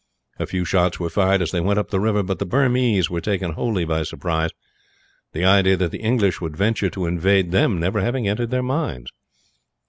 A few shots were fired as they went up the river; but the Burmese were taken wholly by surprise, the idea that the English would venture to invade them never having entered their minds.